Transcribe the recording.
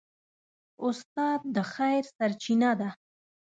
استاد د خیر سرچینه ده.